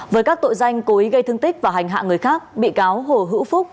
với các tội danh cố ý gây thương tích và hành hạ người khác bị cáo hồ hữu phúc